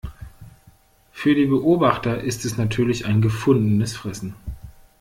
Für die Beobachter ist es natürlich ein gefundenes Fressen.